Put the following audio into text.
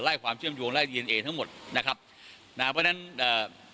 ไล่ความเชื่อมโยงไล่ทั้งหมดนะครับนะเพราะฉะนั้นเอ่อเอ่อ